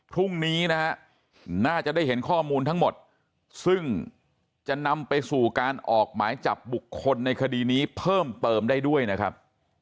พรุ่งนี้นะฮะน่าจะได้เห็นข้อมูลทั้งหมดซึ่งจะนำไปสู่การออกหมายจับบุคคลในคดีนี้เพิ่มเติมได้ด้วยนะครับ